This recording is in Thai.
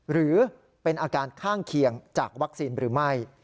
หรือเป็นอาการข้างเคียงจากวัคซีนหรือไม่